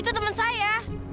itu teman saya